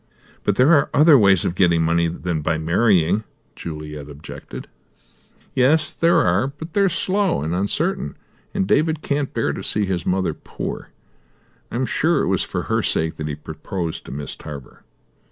"But there are other ways of getting money than by marrying," Juliet objected. "Yes, there are; but they are slow and uncertain, and David can't bear to see his mother poor. I am sure it was for her sake that he proposed to Miss Tarver."